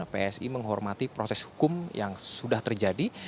psi menghormati proses hukum yang sudah terjadi